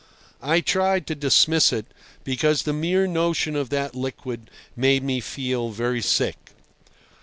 I tried to dismiss it, because the mere notion of that liquid made me feel very sick.